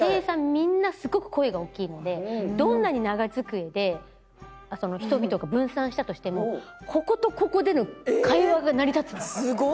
みんなすごく声が大きいのでどんなに長机で人々が分散したとしてもこことここでの会話が成り立つんですよ。